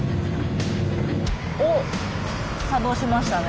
おっ作動しましたね。